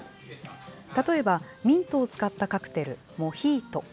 例えば、ミントを使ったカクテル、モヒート。